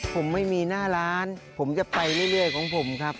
ผมไม่มีหน้าร้านผมจะไปเรื่อยของผมครับ